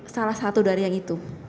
salah satu dari yang itu